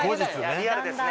リアルですね。